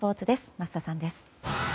桝田さんです。